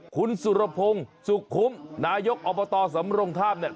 คุณสุรพงศ์สุขุมนายกอบตสำรงทาบเนี่ย